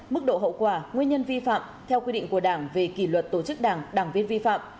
mức độ hậu quả nguyên nhân vi phạm theo quy định của đảng về kỷ luật tổ chức đảng đảng viên vi phạm